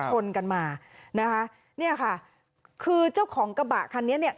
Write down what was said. ชนกันมานะคะเนี่ยค่ะคือเจ้าของกระบะคันนี้เนี่ย